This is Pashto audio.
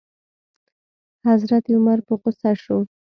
حضرت عمر په غوسه شو.